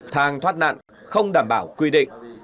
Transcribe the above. thang thoát nạn không đảm bảo quy định